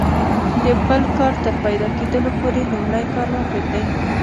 د بل کار تر پیدا کیدلو پوري لومړی کار مه پرېږئ!